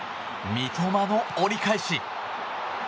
三笘の折り返し。